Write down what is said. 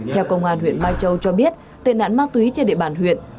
theo công an huyện mai châu cho biết tên ảnh ma túy trên địa bàn huyện